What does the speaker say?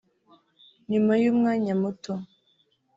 "Nyuma y’umwanya muto